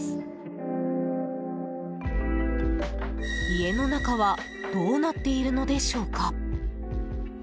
家の中はどうなっているのでしょうか？